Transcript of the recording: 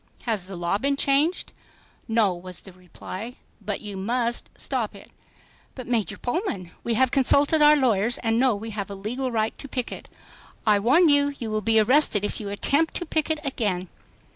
"Has the law been changed?" "No," was the reply, "but you must stop it." "But, Major Pullman, we have consulted our lawyers and know we have a legal right to picket." "I warn you, you will be arrested if you attempt to picket again."